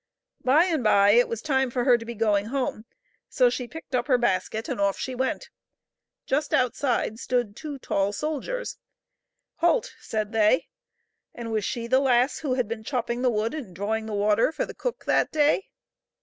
By and by it was time for her to be going home, so she picked up her basket and off she went. Just outside stood two tall soldiers. " Halt !" said they. And was she the lass who had been chopping the wood and drawing the water for the cook that day?